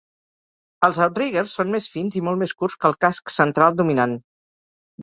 Els outriggers són més fins i molt més curts que el casc central dominant.